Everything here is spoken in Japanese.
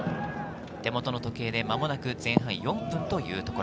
手元の時計で間もなく前半４分というところ。